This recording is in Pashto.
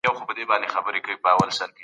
طبيعي علوم د کائناتو مادي اړخ څېړي.